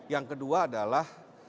yang kedua adalah